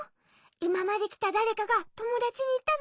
いままできただれかがともだちにいったのかな？